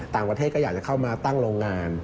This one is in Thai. ต่างประเทศก็อยากจะเข้ามาตั้งโรงงาน